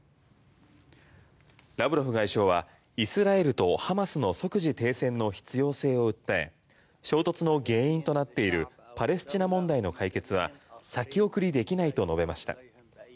ラブロフ外相はイスラエルとハマスの即時停戦の必要性を訴え衝突の原因となっているパレスチナ問題の解決は先送りできないと述べました。